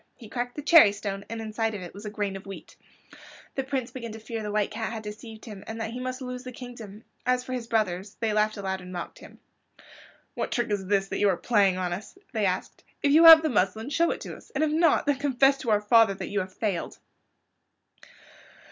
He cracked the cherry stone and inside of it was a grain of wheat. The Prince began to fear the White Cat had deceived him, and that he must lose the kingdom. As for his brothers, they laughed aloud and mocked at him. "What trick is this that you are playing on us?" they asked. "If you have the muslin show it to us, and if not then confess to our father that you have failed."